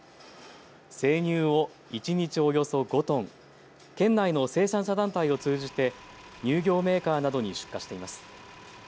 生乳を一日およそ５トン、県内の生産者団体を通じて乳業メーカーなどに出荷しています。